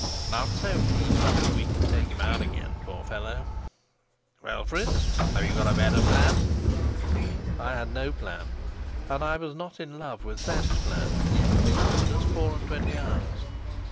"Not so deep but that we can take him out again, poor fellow. Well, Fritz, have you a better plan?" I had no plan, and I was not in love with Sapt's plan. Yet it offered us four and twenty hours.